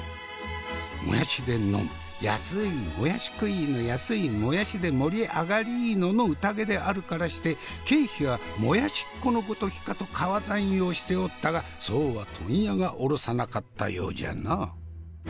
安いもやし食いの安いもやしで盛り上がりのの宴であるからして経費はもやしっ子のごときかと皮算用しておったがそうは問屋が卸さなかったようじゃな。